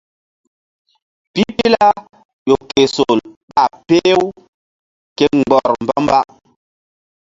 Pipila ƴo ke sol ɓa peh-u ke mgbɔr mba-mba.